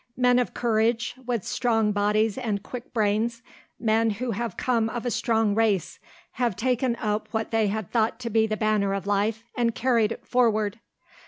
Men of courage, with strong bodies and quick brains, men who have come of a strong race, have taken up what they had thought to be the banner of life and carried it forward.